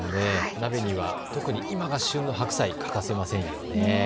鍋には特に今が旬の白菜、欠かせませんよね。